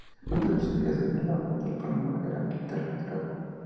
Antes de su ingreso en la orden del Palmar, era militar retirado.